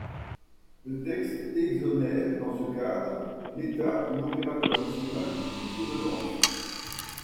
Le texte exonère, dans ce cadre, l’État ou l’opérateur national de toute redevance.